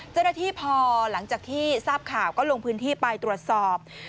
เจ้าหน้าที่พอหลังจากที่ทราบข่าวก็ลงพื้นที่ไปตรวจสอบ